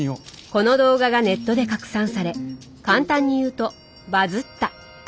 この動画がネットで拡散され簡単に言うとバズった。